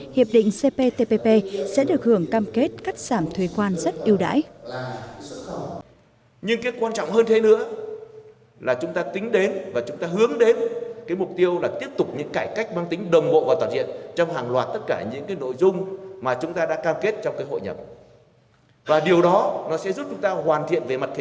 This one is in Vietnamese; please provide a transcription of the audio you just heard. hiệp định cptpp sẽ được hưởng cam kết cắt giảm thuế khoan rất ưu đãi